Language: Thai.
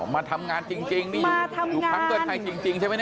อ๋อมาทำงานจริงนี่อยู่พักเกิดใครจริงใช่ไหม